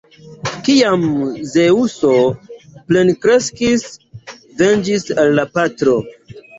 Kiam Zeŭso plenkreskis, venĝis al la patro.